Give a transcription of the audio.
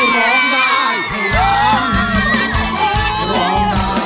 ร้องได้ให้ล้าน